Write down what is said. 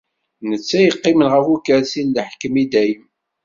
Netta yeqqimen ɣef ukersi n leḥkem i dayem.